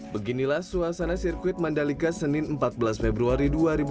beginilah suasana sirkuit mandalika senin empat belas februari dua ribu dua puluh